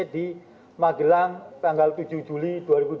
di magelang tanggal tujuh juli dua ribu dua puluh